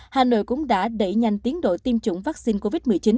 hà nội cũng đã đẩy nhanh tiến độ tiêm chủng vaccine covid một mươi chín